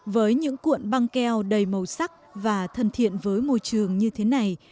với những cuộn băng keo đầy màu sắc và thân thiện với môi trường như thế này